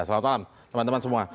selamat malam teman teman semua